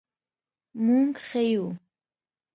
مونږ ښه یو